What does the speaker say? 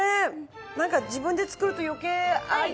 なんか自分で作ると余計愛着が。